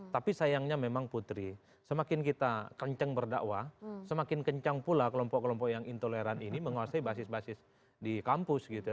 tapi sayangnya memang putri semakin kita kenceng berdakwah semakin kencang pula kelompok kelompok yang intoleran ini menguasai basis basis di kampus gitu ya